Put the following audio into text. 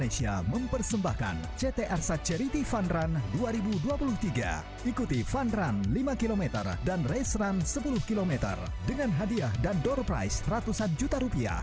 sampai jumpa di video selanjutnya